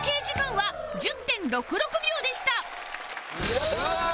やったー！